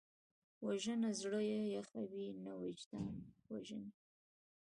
وژنه زړه یخوي نه، وجدان وژني